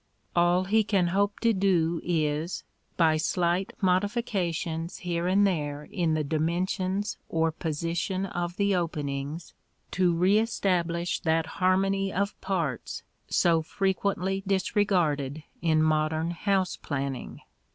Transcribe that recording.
All he can hope to do is, by slight modifications here and there in the dimensions or position of the openings, to re establish that harmony of parts so frequently disregarded in modern house planning.